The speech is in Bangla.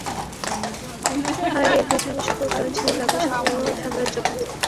আর এর পিছনে আসল কারণ ছিল ব্যবসা ও সাম্রাজ্যবাদ।